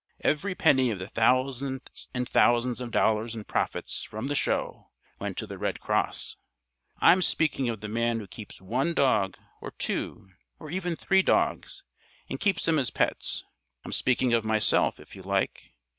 Every penny of the thousands and thousands of dollars in profits from the show went to the Red Cross. I'm speaking of the man who keeps one dog or two or even three dogs, and keeps them as pets. I'm speaking of myself, if you like.